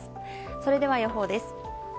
それでは予報です。